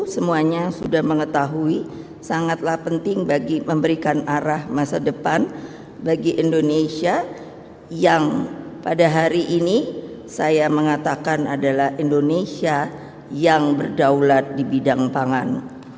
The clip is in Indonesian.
saya ingin memberikan arah masa depan bagi indonesia yang pada hari ini saya mengatakan adalah indonesia yang berdaulat di bidang pangan